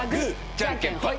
じゃんけんほい。